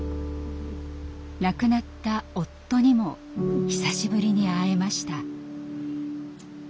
亡くなった夫にも久しぶりに会えました。